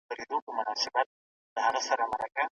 زموږ سرلوړي د اسلام د احکامو په منلو کي ده.